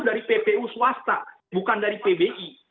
dari ppu swasta bukan dari pbi